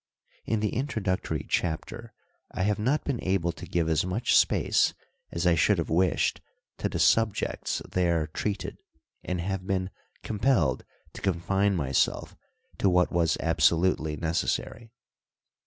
In the introductory chapter I have not been able to g^ve as much space as I should have wished to the subjects there treated, and have been compelled to confine myself to what was absolutely necessary.